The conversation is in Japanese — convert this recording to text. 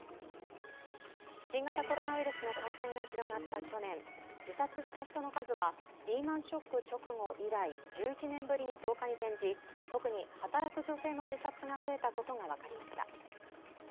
新型コロナウイルスの感染が広がった去年、自殺した人の数はリーマン・ショック直後以来１１年ぶりに増加に転じ特に働く女性の自殺が増えたことが分かりました。